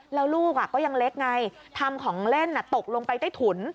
แล้วลูกก็ยังเล็กไงทำของเล่นตกลงไปใต้ถุน